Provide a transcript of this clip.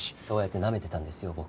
そうやってなめてたんですよ